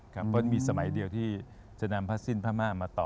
เพราะมีสมัยเดียวที่จะนำผ้าสิ้นพม่ามาต่อ